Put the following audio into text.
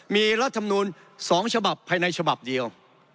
มีรัฐมนูล๒ฉบับภายในฉบับเดียว